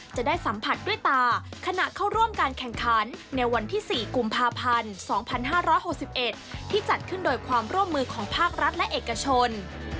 จะได้สัมผัสด้วยตาขณะเข้าร่วมการแข่งขันในวันที่๔กุมภาพันธ์๒๕๖๑ที่จัดขึ้นโดยความร่วมมือของภาครัฐและเอกชน